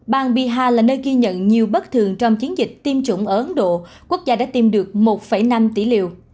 bang biha là nơi ghi nhận nhiều bất thường trong chiến dịch tiêm chủng ở ấn độ quốc gia đã tìm được một năm tỷ liều